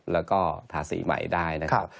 แล้วก็ทาสีใหม่ได้นะครับ